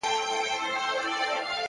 پرمختګ د راحت له سیمې بهر وي؛